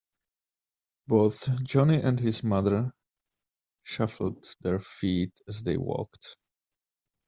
Both Johnny and his mother shuffled their feet as they walked.